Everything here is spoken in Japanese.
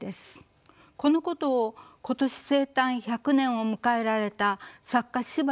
このことを今年生誕１００年を迎えられた作家司馬